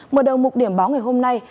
mở đầu một điểm báo ngày hôm nay